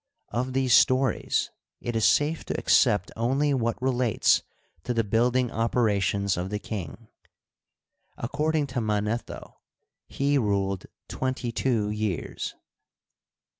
Of these stories it is safe to accept only what relates to the building operations of the king. According to Manetho, he ruled twenty two years.